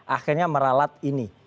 akhirnya meralat ini